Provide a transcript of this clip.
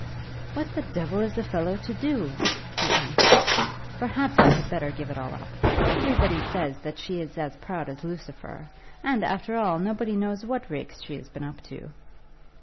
"What the devil is a fellow to do?" he asked. "Perhaps I had better give it all up. Everybody says that she is as proud as Lucifer; and, after all, nobody knows what rigs she has been up to."